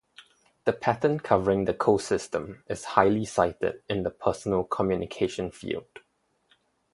The patent covering the CoSystem is highly cited in the personal communication field.